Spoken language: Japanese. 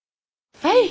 はい。